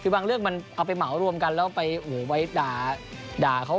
คือบางเรื่องมันเอาไปเหมารวมกันแล้วไปด่าเขา